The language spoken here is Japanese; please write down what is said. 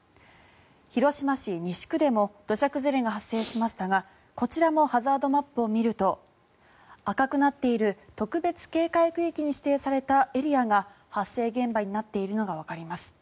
広島市西区でも土砂崩れが発生しましたがこちらもハザードマップを見ると赤くなっている特別警戒区域に指定されたエリアが発生現場になっているのがわかります。